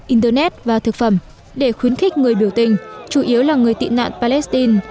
internet và thực phẩm để khuyến khích người biểu tình chủ yếu là người tị nạn palestine